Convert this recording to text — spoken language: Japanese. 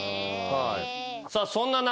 さあそんな中。